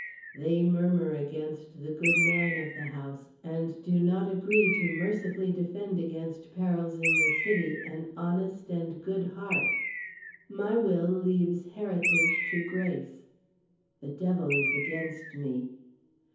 "They murmur against the good man of the house, and do not agree to mercifully defend against perils in the city an honest and good heart. "My will leave(s) heritage to Grace. "The devil is against me.